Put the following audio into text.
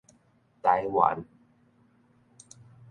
臺灣